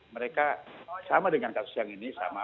mereka sama dengan kasus yang ini sama